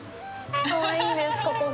かわいいんです、ここが。